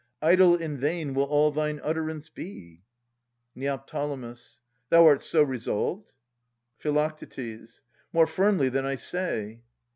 Idle and vain will all thine utterance be. Neo. Thou art so resolved ? Phi. More firmly than I say.